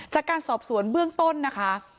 จากการสอบสวนเบื้องต้นนะคะ